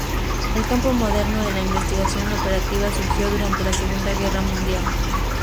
El campo moderno de la investigación operativa surgió durante la Segunda Guerra Mundial.